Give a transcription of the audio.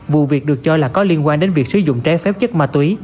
vụ việc được cho là có liên quan đến việc sử dụng trái phép chất ma túy